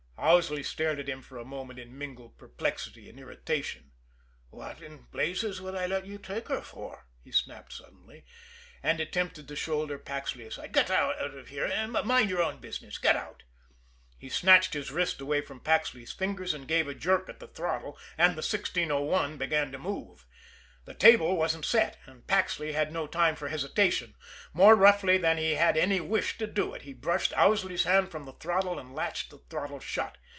Owsley stared at him for a moment in mingled perplexity and irritation. "What in blazes would I let you take her for?" he snapped suddenly, and attempted to shoulder Paxley aside. "Get out of here, and mind your own business! Get out!" He snatched his wrist away from Paxley's fingers and gave a jerk at the throttle and the 1601 began to move. The 'table wasn't set, and Paxley had no time for hesitation. More roughly than he had any wish to do it, he brushed Owsley's hand from the throttle and latched the throttle shut.